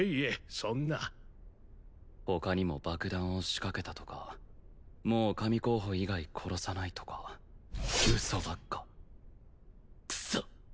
そんな他にも爆弾を仕掛けたとかもう神候補以外殺さないとか嘘ばっかクソッ！